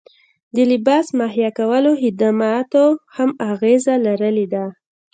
د لباس مهیا کولو خدماتو هم اغیزه لرلې ده